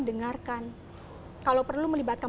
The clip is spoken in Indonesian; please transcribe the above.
dengarkan kalau perlu melibatkan